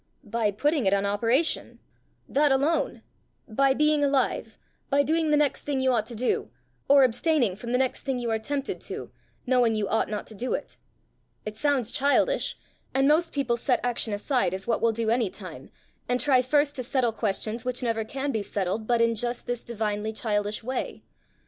"By putting it in operation that alone; by being alive; by doing the next thing you ought to do, or abstaining from the next thing you are tempted to, knowing you ought not to do it. It sounds childish; and most people set action aside as what will do any time, and try first to settle questions which never can be settled but in just this divinely childish way.